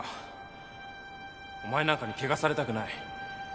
お前なんかに汚されたくない